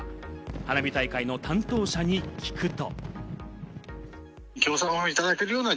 花火大会の担当者に聞くと。